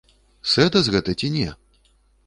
Сэдас гэта ці не?